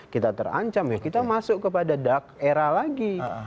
kita terancam ya kita masuk kepada dark era lagi